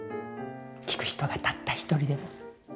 聴く人がたった一人でも。